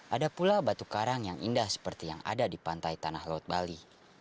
ada pula batu karang yang indah seperti yang ada di pantai tanah laut bali